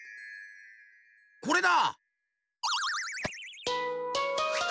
これだ！